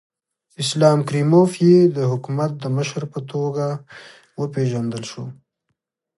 اسلام کریموف یې د حکومت د مشر په توګه وپېژندل شو.